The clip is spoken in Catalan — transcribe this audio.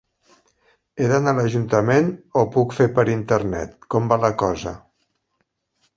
He d'anar a l'ajuntament o puc fer per internet, com va la cosa?